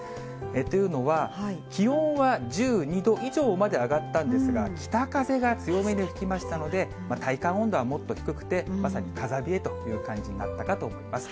というのは、気温は１２度以上まで上がったんですが、北風が強めに吹きましたので、体感温度はもっと低くて、まさに風冷えという感じになったかと思います。